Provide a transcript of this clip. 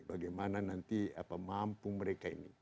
bagaimana nanti mampu mereka ini